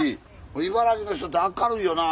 茨城の人って明るいよなあ。